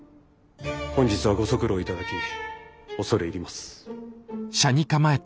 本日はご足労頂き恐れ入ります。